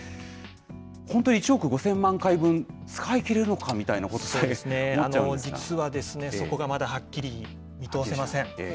本当に１億５０００万回分、使いきれるのかみたいなこと、思っち実は、そこがまだはっきり見通せません。